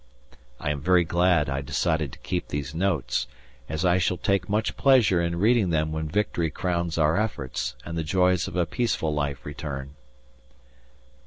I am very glad I decided to keep these notes, as I shall take much pleasure in reading them when Victory crowns our efforts and the joys of a peaceful life return.